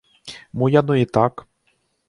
Мо яно і так.